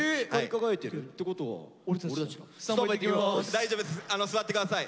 大丈夫です座ってください。